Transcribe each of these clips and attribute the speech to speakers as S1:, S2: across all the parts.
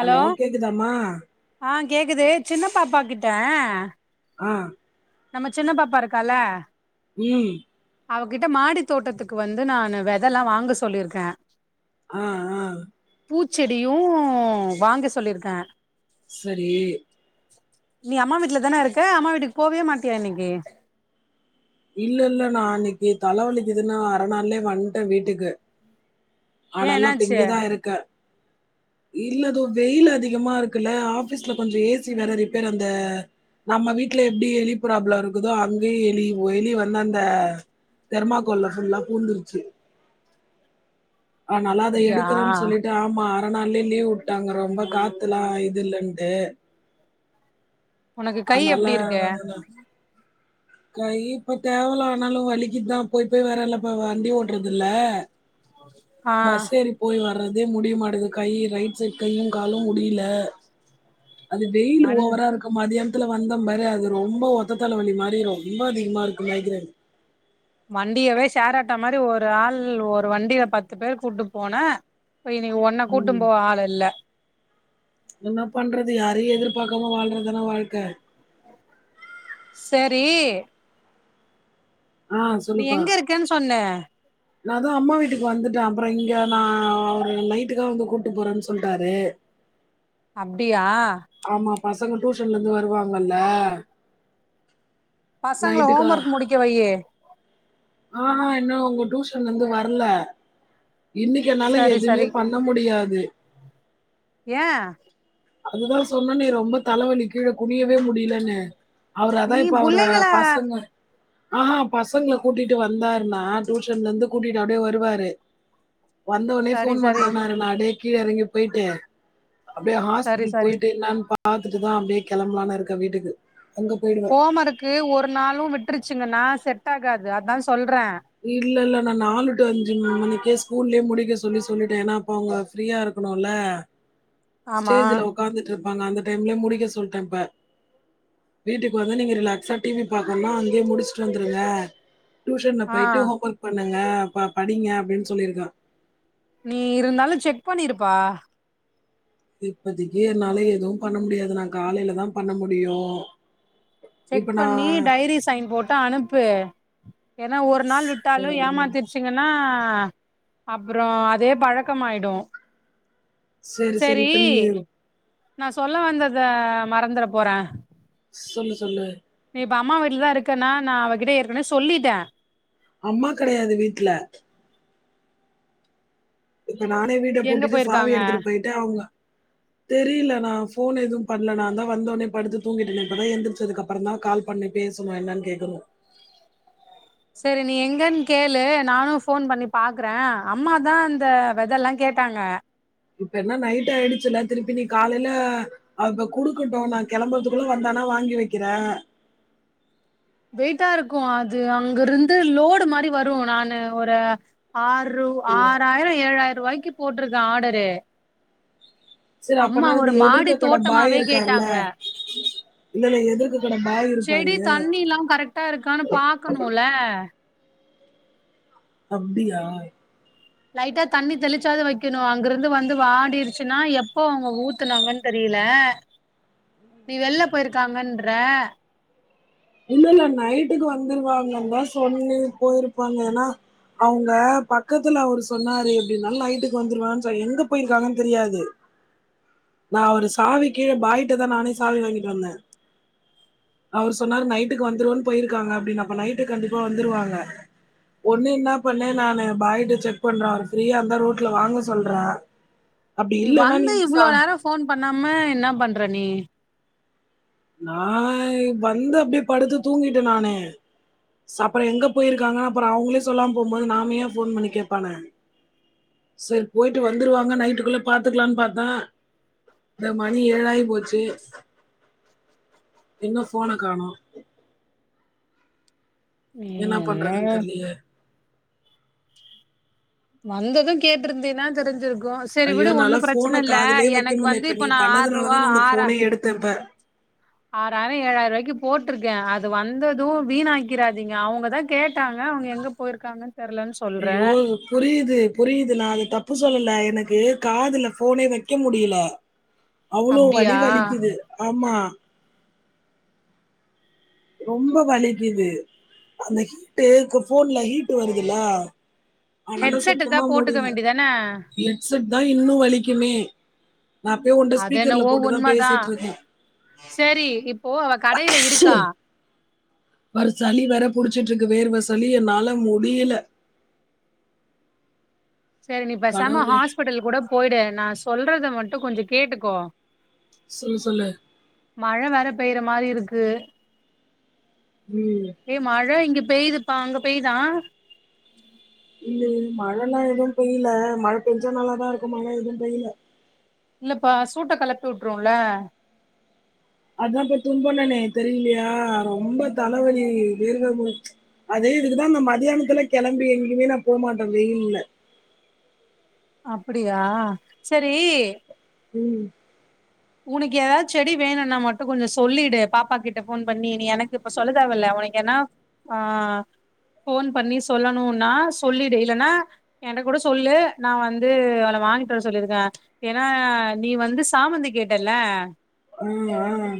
S1: Hello கேக்குதமா
S2: ஆ கேக்குது சின்ன பாப்பா கிட்ட
S1: ஆஹ்
S2: நம்ம சின்ன பாப்பா இருக்கால
S1: உம்
S2: அவகிட்ட மாடி தோட்டத்துக்கு வந்து நான் வெதல்லாம் வாங்க சொல்லியிருக்கேன்
S1: ஆ ஆ
S2: பூச்செடியும் வாங்க சொல்லியிருக்கேன்
S1: செரி
S2: நீ அம்மா வீட்டுல தானே இருக்க அம்மா வீட்டுக்கு போவியா மாட்டியா இன்னைக்கி
S1: இல்ல இல்ல நான இன்னக்கி தலவலிக்குதுன்னு அரநாள்ளே வந்துட்டேன் வீட்டுக்கு ஆ
S2: ஏ
S1: நல்லா
S2: என்னாச்சு
S1: திங்கதான் இருக்கேன் இல்லதோ வெயில் அதிகமா இருக்குல்ல ஆபீஸ்ல கொஞ்சம் ஏசி வேற ரிப்பர் அந்த நம்ம வீட்டுல எப்டி எலி ப்ராப்ளம் இருக்குதோ அங்கேயே எலி வெளிய வந்து அந்த தெர்மாக்கோல்ல ஃபுல்லா பூந்துருச்சு ஆனல்லா அத
S2: அப்டியா
S1: எடுக்கறேன்னு சொல்லிட்டு ஆமா அரநாளே லீவு விட்டாங்க ரொம்ப காத்துலாம் இல்லண்டு
S2: உனக்கு கை எப்டி இருக்கு
S1: கை இப்ப தேவல ஆனாலும் வலிக்குதான் போயி போய் வரலப்ப வண்டி ஓடுறதுல
S2: ஆ
S1: பஸ் ஏரி போய்வா அதே முடியுமாடுது கை ரைட் சைட் கையும் காலும் முடியல அது வெயில்
S2: வண்
S1: ஓவரா இருக்கும் மதியான த்துல வந்ததேன் பாரு அது ரொம்ப ஒத்த தலை வலி மாரி ரொம்ப அதிகமா இருக்கு மைக்ரேன்
S2: வண்டியவே ஷேர்ராட்டோ மாரி ஒரு ஆள் ஒரு வண்டியில பத்து பேரு கூட்டு போனே இப்ப இன்னக்கி ஒன்ன கூட்டும்
S1: ம்
S2: போ ஆளுல்ல
S1: பாக்காம வாழ்றதானா வாழ்க்கை
S2: செரி
S1: ஆஹ் சொல்லுப்பா
S2: இருக்கன்னு சொன்ன
S1: ந தான் அம்மா வீட்டுக்கு வந்துட்டேன் அப்பறம் இங்க நான அவர் நைட்டுக்காக வந்து கூப்பட்டு போறேன்னு சொல்ட்டாரு
S2: அப்டியா
S1: ஆமாப்பாஸ் பசங்க டியூஷன்ல இருந்து வருவாங்கல்ல
S2: பசங்கள ஹோம் ஒர்க் முடிக்க வையி
S1: ஆஹ்ஹா இன்னும் உங்க டியூஷன்லந்து வரல இன்னைக்குனால
S2: சரி
S1: எதுவுமே பண்ண முடியாது
S2: ஏன்
S1: அதுதான் சொன்ன நீ ரொம்ப தலவலி கீழ குனியவே முடியலன்னு அவரு
S2: நீ
S1: அதான் இப்ப அவரு
S2: புள்ளைங்கள
S1: பசங்க ஆஹா பசங்கள கூட்டிட்டு வந்தாருனா டியூஷன்ல இருந்து கூட்டிட்டு அப்டியே வருவாரு வந்த உடனே
S2: சரி
S1: போன்
S2: சரி
S1: பண்றேனாரு நா அடே கீழ இறங்கி போய்ட்டு அப்டியே ஹாஸ்
S2: சரி சரி
S1: போய்ட்டு என்னான் பாத்துட்டுதான் அப்படியே கிளம்பலான்னு இருக்கேன் வீட்டுக்கு அங்க போயிடுவேன்
S2: போம இருக்கு ஒரு நாளும் விட்டுருச்சுங்கண்ணா சரி செட்டாகாது அதான் சொல்
S1: இல்லல்ல நா நாலு அஞ்சு மனிக்கே ஸ்கூல்லலே முடிக்க சொல்லி சொல்லிட்டேன் ஏன்னா அப்ப அவங்க ஃப்ரீயா இருக்கணுல
S2: ஆமா
S1: ஸ்டேஜ்ல உக்காந்துட்டு இருந்த அந்த டைம் முடிக்க சொல்டே இப்ப வீட்டுக்கு வந்து நீங்க ரிலாக்சா டிவி பாக்கன்னா முடிச்சுட்டு வந்துருங்க டியூஷன்
S2: ஆ
S1: போயிட்டு ஹோம் ஒர்க் பண்ணுங்க பா படிங்க அப்படின்னு சொல்லிருக்கான்
S2: நீ இருந்தாலும் செக் பண்ணிருப்பா
S1: இப்பதைக்கு என்னால எதுவும் பண்ண முடியாது நான் காலையில தான் பண்ண முடியும்
S2: செக்
S1: இப்ப
S2: பண்ணி
S1: நான்
S2: டைரி சைன் போட்டு அனுப்பு ஏன்னா ஒரு நாள் விட்டாலும்
S1: ம்
S2: ஏமாத்திருச்சுங்கன்னா ஆஹ் அப்புறம் அதே பழக்கமாயிடும்
S1: செரி செரி இப்ப நீ
S2: நான் சொல்ல வந்தத மறந்தற போறே
S1: சொல்லு சொல்லு
S2: நீ இப்ப அம்மா வீட்டுலதான் இருக்கன்னா நான் அவகிட்ட ஏற்கனவே சொல்லிட்டேன்
S1: அம்மா கெடையாது வீட்ல இப்ப நானே வீட்ட
S2: எங்க
S1: பூட்டிட்டு சாவி
S2: போயிருக்காங்க
S1: எடுத்துட்டு போயிட்டு அவுங்க தெரில நான் போன் எதுவும் பண்ணல நான்ந்தான் வந்தோனோ படுத்து தூங்கிட்டேனே இப்பதான் எந்திரிச்சதுக்கு அப்புறம் தான் கால் பண்ணி பேசணும் என்னன்னு கேக்கனு
S2: சரி நீ எங்கன்னு கேளு நானும் போன் பண்ணி பாக்குறேன் அம்மாதான் இந்த வெதலாம் கேட்டாங்க
S1: இப்ப என்னா நைட் ஆயிடுச்சுல்ல திருப்பி நீ காலைல இப்ப குடுக்கட்டும் நான் கிளம்புறதுக்குள்ள வந்தானா வாங்கி வக்கிறேன்
S2: வெயிடா இருக்கும் அது அங்க இருந்து லோடு மாதிரி வரும் நானு ஒரு ஆறு ரூ ஆறாயிரம் ஏழாயிரம் ரூவாய்க் இங்கு போட்ருக்கேன் ஆடரு
S1: சரி அப்பனா அந்த எதிர்க்க கட பாய்
S2: தோட்டமாவே
S1: இருக்கார்ல
S2: கேட்டாங்க
S1: இல்ல எதிர்க கட பாய் இருப்பாரு
S2: தண்ணில்லாம் கரெக்டா இருக்கான்னு பாக்கணுல
S1: அப்டியா
S2: லைட்டா தண்ணி தெளிச்சாது வைக்கணும் அங்க இருந்து வந்து வாடிருச்சுன்னா எப்போ அவங்க ஊத்துனாங்கன்னு தெரியல நீ வெள்ல போயிருக்காங்கன்ற
S1: இல்லல்ல நைட்டுக்கு வந்துருவாங்க தான் சொன்னி போயிருப்பாங்க ஏன்னா அவங்க பக்கத்துல அவரு சொன்னாரு எப்படின்னால நைட்டுக்கு வந்துருவாங்கன்னு சொ எங்க போயிருக்காங்கன்னு தெரியாது நான் அவரு சாவி கீழே பாயிட்டதான் நானே சாவி வாங்கிட்டு வந்தேன் அவரு சொன்னாரு நைட்டுக்கு வந்துருவன்னு போயிருக்காங்க அப்படின்னு நைட்டு கண்டிப்பா வந்துருவாங்க ஒண்ணு என்னா பண்ணு நான் பாய்ட்ட செக் பண்றேன் அவ பிரியா அந்த ரோட்ல வாங்க சொல்றேன் அப்டி
S2: நீ
S1: இல்லன்னா
S2: வந்து இவ்வளோ
S1: சா
S2: நேரம் போன் பண்ணாம என்ன பண்ற நீ
S1: நா வந்து அப்படியே படுத்து தூங்கிட்டேன் நானு சப்புறம் எங்க போயிருக்காங்கன்னு அப்புறம் அவங்களே சொல்லாம போகும்போது நாமயே போன் பண்ணி கேடப்பானே சரி போயிட்டு வந்துருவாங்க நைட்டுக்குள்ள பாத்துக்கலான்னு பாார்த்தேன் இந்த மணி ஏழாயி போச்சு என்னும் போன காணோ
S2: நீ
S1: என்ன பண்றதுன்னு
S2: என்னங்க
S1: தெரியலையே
S2: வந்ததும் கேட்டிருந்தீன்னா தெரிஞ்சுரு
S1: ஐயோ நல்லா போனை காதுலயே வைக்க
S2: எனக்கு
S1: முல
S2: வந்து
S1: இப்ப நீ
S2: நா
S1: பண்ணதுனால
S2: ஆர்ரூவா
S1: தான் நான்ந்த போனே எடுத்தன்ப்ப
S2: ஆறாயிரம் ஏழாயிரம் ரூபாய்க்கு போட்டிருக்கேன் அது வந்ததும் வீணாக்கிறாதீங்க அவங்கதான் கேட்டாங்க அவங்க எங்க போயிருக்காங்கன்னு தெர்லன்னு சொல்றே
S1: ஐயோ புரியுது புரியுது நா அது தப் தப்பு சொல்லல எனக்கு காதுல போனே வைக்க முடியல அவ்ளோ
S2: அப்டியா
S1: வலி வலிக்குது ஆமா ரொம்ப வலிக்குது அந்த ஹீட் இருக்கு போன்ல ஹீட் ட் வருதுலா ஆனால
S2: ஹெட்செட் தா
S1: சுத்தமா
S2: போட்டுக்க
S1: முடியல
S2: வேண்டிதான
S1: ஹெட் செட் தான் இன்னும் வலிக்குமே நான் அப்பயே உன்ட்ட
S2: அதன
S1: ஸ்பீக்கர்ல
S2: ஓ
S1: போட்டு தான்
S2: உண்மைதான்
S1: பேசிட்டு
S2: சேரி இப்போ அவ கடையில இருக்கா
S1: பாரு சளி வேற புடிச்சிட்டு இருக்கு வேறுவ சளி என்னால முடியல
S2: சேரி நீப்ப சாம
S1: கடவுளே
S2: ஹாஸ்பிட்டல் கூட போயிடு நா சொல்றத மட் கொஞ்ச கேட்டுக்கோ
S1: சொல்லு சொல்லு
S2: மழ வேற போயிர மாரி இருக்கு
S1: ம்.
S2: ஏ மழ இங்க பெய்யுதுபா அங்க பெயுதா
S1: இல்ல இல் மழல்லா எதுவும் பெய்யல மழ பெஞ்ச நாலாதான் இருக்கும் மழ எதுவும் பெய்ல
S2: இல்லப்பா சூட்டை கிலப்பி விட்டுரும்ல
S1: அதான் இப்ப துன்பம்னானே தெரியலையா ரொம்ப த வலி வேர்வ [inaudible] அதே இதுதான் நா மத்தியானத்துல கிளம்பி எங்கயுமே நா போகமாட்டே வெயில்ல
S2: அப்படியா சேரி
S1: உம்
S2: உனக்கு ஏதாவது செடி வேணும்னா மட்டும் கொஞ்சம் சொல்லிடு பாப்பா கிட்ட போன் பண்ணி நீ எனக்கு இப்ப சொல்லதவல உனக்கு ஏனா ஆ போன் பண்ணி சொல்லணும்னா சொல்லிடு இல்ன்னா என கூட சொல்லு நா வந்து அவளை வாங்கிட்டு வர சொல்லியிருக்கேன் ஏன்னா நீ வந்து சாமந்தி கேட் ட்டாயில்ல
S1: உம் அஹ்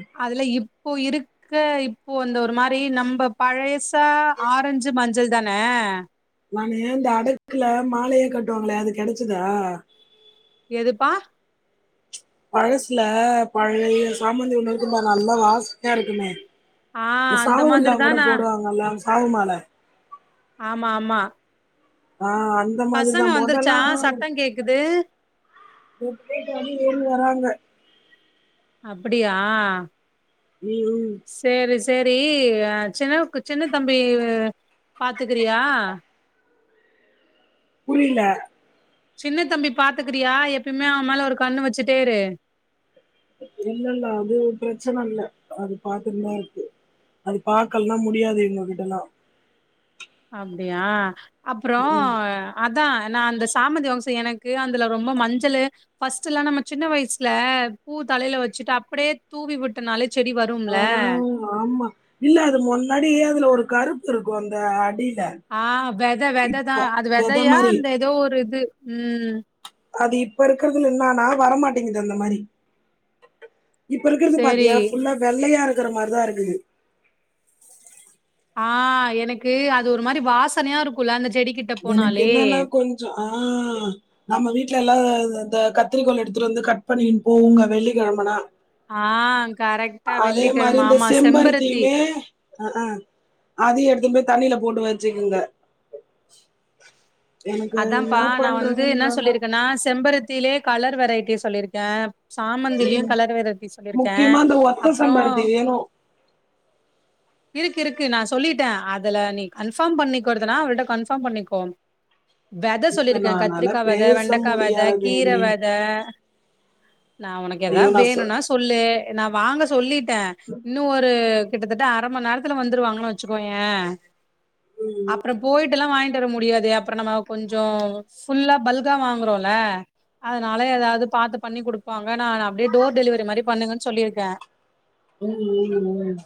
S2: இப்போ இருக்க இப்போ அந்த ஒரு மாரி நம்ம பழசா ஆரஞ்சு மஞ்சள் தானே
S1: நானே இந்த அடுக்குல மாலையா கட்டுவாங்களோ அது கிடைச்சதா
S2: எதுப்பா
S1: பழசுல பழைய சாமந்திஒன்னு இருக்குமே நல்லா வாசனயா இருக்குமே
S2: ஆ
S1: இந்த
S2: அந்த மாதிரி
S1: சவுல்லாம் கூட
S2: தானா
S1: போடுவாங்க எல்லா சாவுமால
S2: ஆமா ஆமா
S1: ஆஹ் அந்த மாதிரி
S2: பசங்க
S1: தான்
S2: வந்துருச்சா
S1: மொதல்லாம்
S2: சத்தோ கேக்குது
S1: உம் அந்த மாரி ஏறி வராங்க
S2: அப்டியா
S1: உம் உம்
S2: சேரி சேரி சின்னவுக்கு சின்ன தம்பி பாத்துக்கிறியா
S1: புரில
S2: சின்ன தம்பி பாத்துக்றியா எப்பயுமே அவன் மேல ஒரு கண்ணு வச்சுட்டே இரு
S1: இல்ல இல்ல ஒன்னும் பிரச்சனை இல்ல அது பாத்துட்டுத்தான் இருக்கு அது பாக்கலனா முடியாது இவுங்ககிட்டலாம்
S2: அப்டியா அப்புறம்
S1: ம்.
S2: அ து தான் நான் அந்த சாமந்தி வாசம் எனக்கு அதுல ரொம்ப மஞ்சள் ஃபர்ஸ்ட் எல்லாம் நம்ம சின்ன வயசுல பூ தலையில வச்சுட்டு அப்படியே தூவி விட்டனாலே செடி வரும்ல
S1: ஆஹ் ஆமா இல்ல அது முன்னாடியே அதுல ஒரு கருப்பு இருக்கும் அந்த அடி
S2: ஆஹ் வெதை வெதைதான் அது
S1: வெத
S2: வெதையா
S1: மாரி.
S2: அந்த ஏதோ ஒரு இது உம்
S1: அது இப்ப இருக்கிறதுல என்னானா வரமாட்டேங்குது அந்த மாரி இப்ப இருக்கது
S2: சேரி
S1: பாத்தியா புல்லா வெள்ளையா இரு க்குற மாரி தான் இருக்குது
S2: ஆஹ் எனக்கு அது ஒரு மாரி வாசனையா இருக்கும்ல அந்த செடி கிட்ட
S1: எனக்கு
S2: போனாலே
S1: என்னன்னா கொஞ்சம் ஆஹ் நம்ம வீட்டுல எல்லாம் அ ந்த கத்திரிக்கோல் எடுத்துட்டு வந்து கட் பண்ணிவைப்போம் வெள்ளிக்கெழமனா
S2: ஆ கரெக்டா
S1: அதே மாரி
S2: வெள்ளிக்கிழம
S1: இந்த
S2: ஆமா செம்பருத்தி
S1: செம்பருத்தியுமே ஆஹ்ஹ அதை எடுத்துனு போய் தண்ணியில போட்டு வச்சுக்குங்க [inaudible] என்ன
S2: அதான்ப்பா நான் வந்து என்ன
S1: பண்றதுன்றாங்க.
S2: சொல்லிருக்கேன்னா செம்பருத் திலே கலர் வெரைட்டி சொல்லிருக்கேன் சாமந்திலும் கலர் வெரைட்டி சொல்லியிருக்கேன்
S1: முக்கியமா இந்த ஒத்த
S2: அப்புறம்
S1: செம்பருத்தி வேணும்.
S2: இருக்கு இருக்கு நான் சொல்லிட்டேன் அதுல நீ கன்ஃபார்ம் பண்ணிக்கொறதுனா அவள்ட கன்ஃபார்ம் பண்ணிக்கோ வெத
S1: இப்ப
S2: சொல்லியிருக்கேன்
S1: நானால
S2: கத்திரிக்காய் வெத
S1: பேச
S2: வெண்டைக்காய் வெத கீரை
S1: முடியாதேனே!
S2: வெத நான் உனக்கு
S1: ஐயோ!
S2: ஏதாவது
S1: நான் சொ
S2: வேணும்னா சொல்லு நான் வாங்க சொல்லிட் டேன் இன்னும் ஒரு கிட்டத்தட்ட ஆ அரைமணி நேரத்துல வந்துருவாங்கன்னு வச்சுக்கோயேன் அப்புறம் போயிட்டு எல்லாம் வாங்க் முடியாது அப்புறம் நம்ம கொஞ்சம் ஃபுல்லா பல்கா வாங்குறோல அதனால ஏதாவது பாத்து பண்ணி குடுப்பாங்க நான் அப்படியே டோர் டெலிவரி மாரி பண்ணுங்கன்னு சொல்லிருக்கேன்
S1: உம் உம் உம்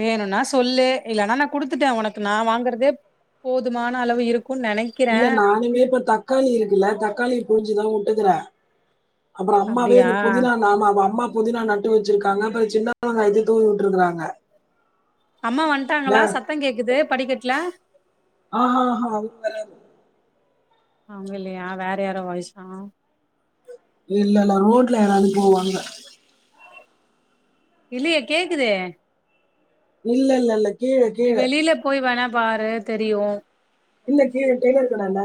S2: வேணும்னா சொல்லு இல்லனா நான் குடுத்துட்டேன் உனக்கு நான் வாங்கறதே போதுமான அளவு இருக்
S1: இல்ல நானுமே இப்ப தக்காளி இருக்குல்ல தக்காளி புளிஞ்சுதான் வுட்டுக்கறே அப்பறம் அம்மாவே
S2: அப்படியா
S1: இந்த புதினா நாம அம்மா புதினா நட்டு வச்சிருக்காங்க அப்ப சின்ன வெங்காயத்த தூவி விட்டுருக் காங்க
S2: அம்மா வன்டாங்களா சத்தம் கேக்குது படிக்கட்டுல
S1: ஆஹா ஆஹா
S2: அவங்க இல்லையா வேற யாரோ வாய்ஸ
S1: இல்ல இல்ல ரோடல யாராவது போவாங்க
S2: இல்லையே கேக்குதே
S1: இல்ல இல்ல இல்ல கீழே
S2: நீ
S1: கீழே
S2: வெளியில போய் வேணா பாரு தெரியும்
S1: இல்ல கீழ டெய்லர் கட ல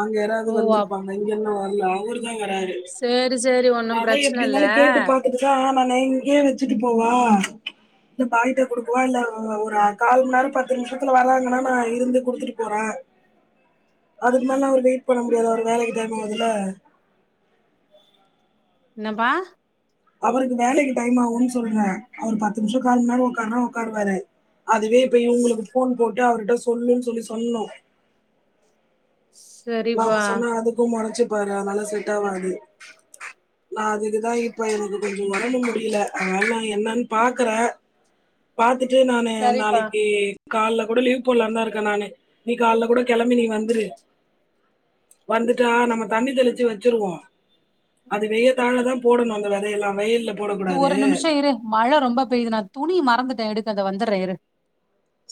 S1: அங்க யாராவது
S2: ஓ அப்
S1: வந்திருப்பாங்க இங்க அந்த அவரு வராரு
S2: சேரி சேரி ஒன்னும்
S1: அதான்
S2: பிரச்சன
S1: எப்டி
S2: இல்ல
S1: இருந்தாலும் கேட்டு பார்த்துட்டு தான் நானு இங்கே வச்சுட்டு போவா ஆஹ் இ பாயிட்ட குடுக்குவா இல்ல ஒரு கால் மணி நேரம் பத்து நிமிஷத்துல வராங்கன்னா நான் இருந்து குடுத்துட்டு போறேன் அதுக்கு மேல அவரு வெயிட் பண்ண முடியாது அவ வேலைக்கி டைம் ஆகுதுல
S2: என்னபா
S1: அவருக்கு வேலைக்கு டைம் ஆகும்ன்னு சொல்றேன் அவரு பத்து நிமிஷம் கால் முன்னாடி உட்காருனா உட்காருவாரு அதுவே இப உங்களுக்கு போன் போட் அவர்கிட்ட சொல்லுன்னு சொல்லி சொன்னோம்
S2: ஷ்
S1: நாம சொன்னா அதுக்கும் முறைச்சி போரா அதுனால உட்டவா டி நான் அதுக்குதான் இப்ப எனக்கு கொஞ்சம் உடம்பு மு டியல ஆனால நா என்னன் பாக்குற பாத்துட் டு நானு
S2: சரிப்பா
S1: நாளைக்கு கால கூட லீவ் போடலாம்ந்தான் இருக்கன் நானு நீ கால கூட கிளம்பி நீ வந்துரு வந்துட்டா நம்ம தண்ணி தெளிச்சு வச்சிருவோம் அது வெய தால தான் போடணும் அந்த விதையெல்லாம் வெயில
S2: இது ஒரு நிமிஷம் இரு மழை ரொம்ப பெயுது நான் துணி மறந்துட் எடுக்கத வந்துடுறே இரு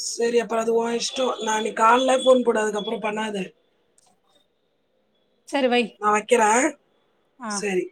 S1: சரி அப்பறம் அது உன் இஷ்டம் நான் இன்னைக்கு கால்ல போன் போடு அதுக்கப்பறம் பண்ணாத
S2: சரி வை
S1: நான் வைக்கிறே
S2: ஆ
S1: சேரி